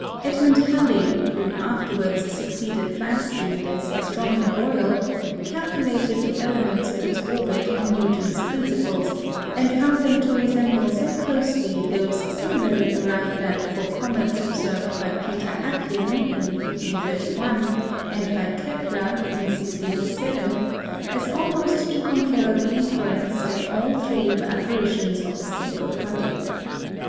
Edmund Halley, who afterwards succeeded Flamsteed as Astronomer Royal, calculated the elements of its orbit on Newton's principles, and found them to resemble so closely those similarly arrived at for comets observed by Peter Apian in 1531, and by Kepler in 1607, as almost to compel the inference that all three were apparitions of a single body.